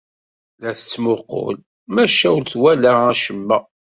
La tettmuqqul, maca ur twala acemma.